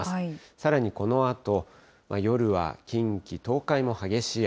さらにこのあと、夜は近畿、東海も激しい雨。